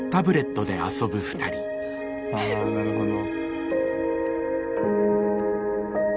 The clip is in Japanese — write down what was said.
あなるほど。